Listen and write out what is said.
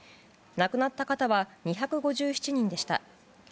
亡くなった方は２５７人でした。